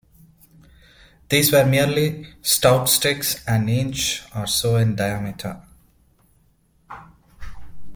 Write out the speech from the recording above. These were merely stout sticks an inch or so in diameter.